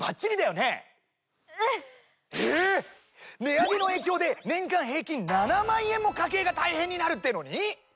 値上げの影響で年間平均７万円も家計が大変になるっていうのに？